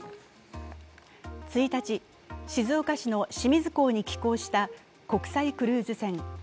１日、静岡市の清水港に寄港した国際クルーズ船。